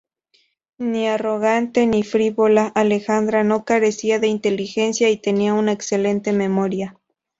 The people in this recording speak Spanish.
Ni arrogante ni frívola, Alejandra no carecía de inteligencia y tenía una excelente memoria.